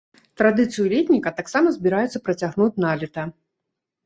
Традыцыю летніка таксама збіраюцца працягнуць налета.